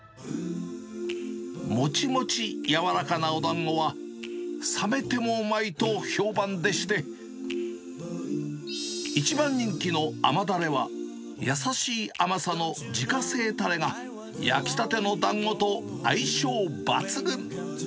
もちもちやわらかなおだんごは、冷めてもうまいと評判でして、一番人気の甘だれは優しい甘さの自家製たれが、焼きたてのだんごと相性抜群。